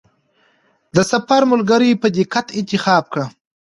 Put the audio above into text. د سفر ملګری په دقت انتخاب کړه.